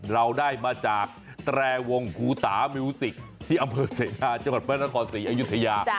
เราได้มาจากแตรวงภูตามิวสิกที่อำเภอเสนาจังหวัดพระนครศรีอยุธยา